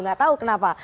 nggak tahu kenapa